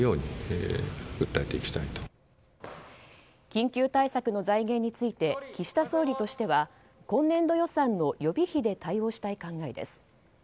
緊急対策の財源について岸田総理としては今年度予算の予備費で対応したい考えです。